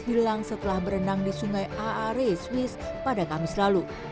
hilang setelah berenang di sungai aare swiss pada kamis lalu